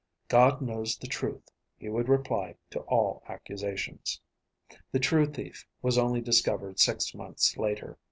"God knows the truth," he would reply to all accusations. The true thief was only discovered six months later.